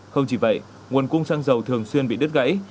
không chỉ vậy nguồn cung xăng dầu thường xuyên bị đứt gãy